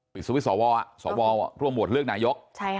ปิศวิทย์สวรวดเรื่องนายก